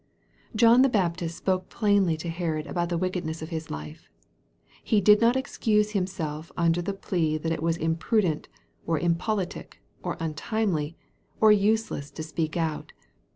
John the Baptist spoke plainly to Herod about the wickedness of his life. He did not excuse himself under the plea that it was impru dent, or impolitic, or untimely, or useless to speak out.